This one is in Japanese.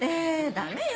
ダメよ